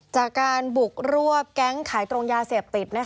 จากการบุกรวบแก๊งขายตรงยาเสพติด